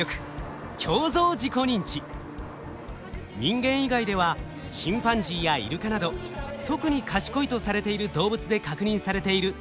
人間以外ではチンパンジーやイルカなど特に賢いとされている動物で確認されている高度な能力です。